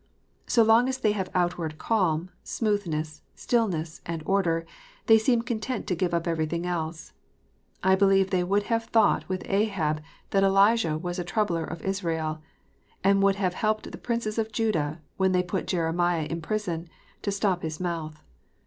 So long as they have outward calm, smooth ness, stillness, and order, they seem content to give up every thing else. I believe they would have thought with Ahab that Elijah was a troubler of Israel, and would have helped the princes of Judah when they put Jeremiah in prison, to stop his mouth.